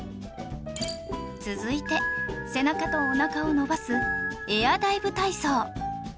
続いて背中とおなかを伸ばすエアダイブ体操